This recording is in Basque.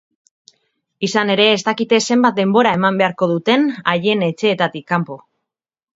Izan ere, ez dakite zenbat denbora eman beharko dute haien etxeetatik kanpo.